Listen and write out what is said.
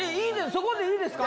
ここでいいです。